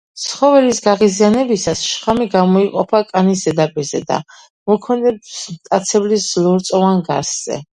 ცხოველის გაღიზიანებისას შხამი გამოიყოფა კანის ზედაპირზე და მოქმედებს მტაცებლის ლორწოვან გარსზე.